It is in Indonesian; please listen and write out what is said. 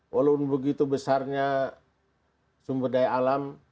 walaupun begitu besarnya sumber daya alam